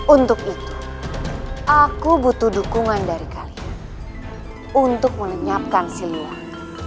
untuk itu aku butuh dukungan dari kalian untuk melenyapkan si luang